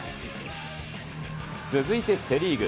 続いてセ・リーグ。